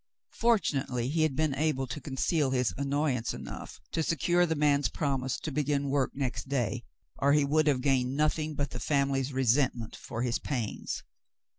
Fortunately, he had been able to conceal his annoyance enough to secure the man's prom ise to begin work next day, or he would have gained nothing but the family's resentment for his pains.